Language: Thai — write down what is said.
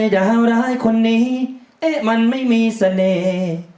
ดาวร้ายคนนี้มันไม่มีเสน่ห์